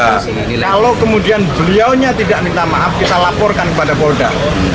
kalau kemudian beliaunya tidak minta maaf kita laporkan kepada polda